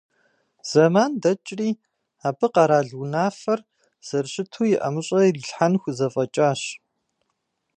Зэман дэкӀри, абы къэрал унафэр зэрыщыту и ӀэмыщӀэ ирилъхьэн хузэфӀэкӀащ.